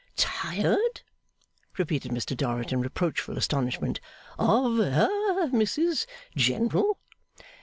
'Tired,' repeated Mr Dorrit in reproachful astonishment, 'of ha Mrs General.